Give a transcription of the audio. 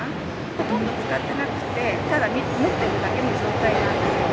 ほとんど使ってなくて、ただ持ってるだけの状態なんですけど。